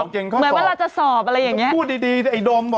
เกรงข้อสอบอะไรอย่างเงี้ย